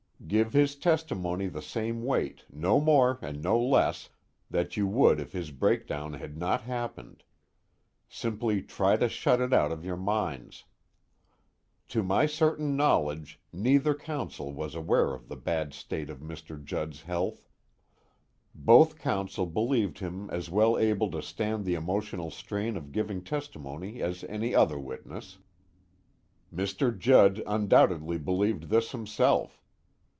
Give his testimony the same weight, no more and no less, that you would if his breakdown had not happened; simply try to shut it out of your minds. To my certain knowledge, neither counsel was aware of the bad state of Mr. Judd's health. Both counsel believed him as well able to stand the emotional strain of giving testimony as any other witness. Mr. Judd undoubtedly believed this himself.